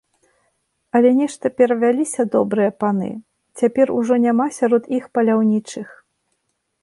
Але нешта перавяліся добрыя паны, цяпер ужо няма сярод іх паляўнічых.